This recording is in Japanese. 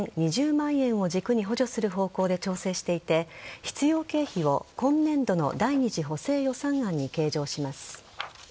２０万円を軸に補助する方向で調整していて必要経費を今年度の第２次補正予算案に計上します。